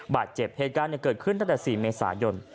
บาดเจ็บเหตุการณ์เนี่ยเกิดขึ้นตั้งแต่๔เมษายน